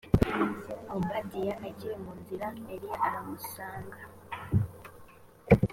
obadiya akiri mu nzira eliya arahamusanga